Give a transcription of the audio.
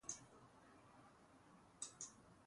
En este tema Polk estaba a favor, y Clay, en contra.